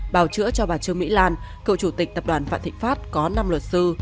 bào chữa cho bà trương mỹ lan cậu chủ tịch tập đoàn phạm thị pháp có năm luật sư